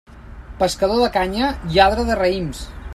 Pescador de canya, lladre de raïms.